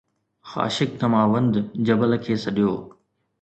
خاشق Damavand جبل کي سڏيو